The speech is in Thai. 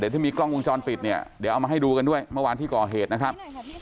ถ้ามีกล้องวงจรปิดเนี่ยเดี๋ยวเอามาให้ดูกันด้วยเมื่อวานที่ก่อเหตุนะครับ